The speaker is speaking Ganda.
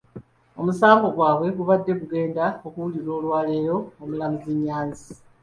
Omusango gwabwe gubadde gugenda kuwulirwa olwaleero omulamuzi Nyanzi.